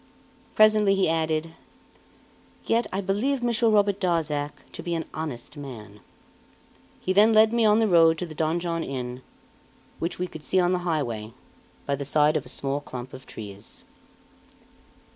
Presently he added: "Yet I believe Monsieur Robert Darzac to be an honest man." He then led me on the road to the Donjon Inn, which we could see on the highway, by the side of a small clump of trees.